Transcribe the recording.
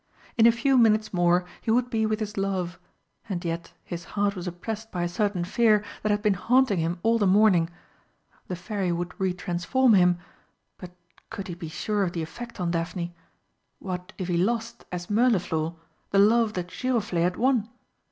In a few minutes more he would be with his love and yet his heart was oppressed by a certain fear that had been haunting him all the morning. The Fairy would re transform him but could he be sure of the effect on Daphne? What if he lost, as Mirliflor, the love that Giroflé had won?